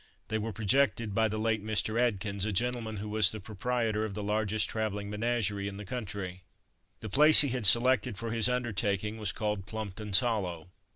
They were projected by the late Mr. Atkins, a gentleman who was the proprietor of the largest travelling menagerie in the country. The place he had selected for his undertaking was called "Plumpton's Hollow."